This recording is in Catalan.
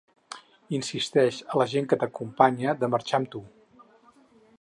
Insisteix a la gent que t’acompanya de marxar amb tu.